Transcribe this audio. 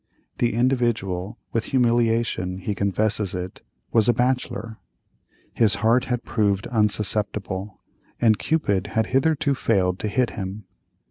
The Individual—with humiliation he confesses it—was a bachelor. His heart had proved unsusceptible, and Cupid had hitherto failed to hit him.